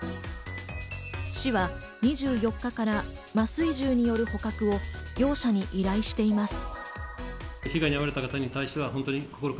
市は２４日から麻酔銃による捕獲を業者に依頼しています。